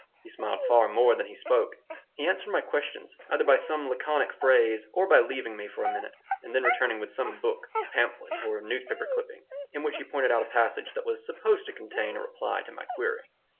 He smiled far more than he spoke. He answered my questions either by some laconic phrase or by leaving me for a minute and then returning with some book, pamphlet, or newspaper clipping in which he pointed out a passage that was supposed to contain a reply to my query.